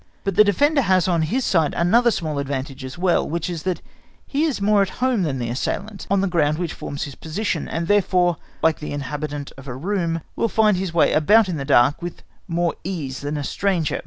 But the defender has on his side another small advantage as well, which is that he is more at home than the assailant, on the ground which forms his position, and therefore, like the inhabitant of a room, will find his way about it in the dark with more ease than a stranger.